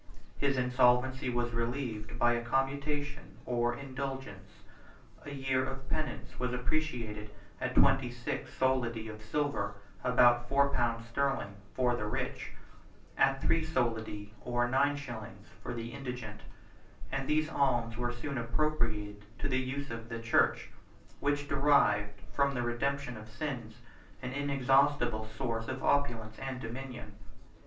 His insolvency was relieved by a commutation, or indulgence: a year of penance was appreciated at twenty six solidi 24 of silver, about four pounds sterling, for the rich; at three solidi, or nine shillings, for the indigent: and these alms were soon appropriated to the use of the church, which derived, from the redemption of sins, an inexhaustible source of opulence and dominion.